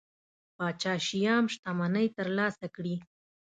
پاچا شیام شتمنۍ ترلاسه کړي.